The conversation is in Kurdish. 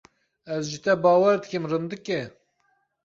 Ez ji te bawer dikim rindikê.